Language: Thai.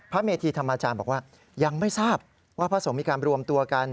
เมธีธรรมอาจารย์บอกว่ายังไม่ทราบว่าพระสงฆ์มีการรวมตัวกัน